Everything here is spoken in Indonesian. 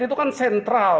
itu kan sentral